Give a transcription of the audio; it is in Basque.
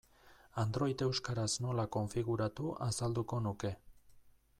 Android euskaraz nola konfiguratu azalduko nuke.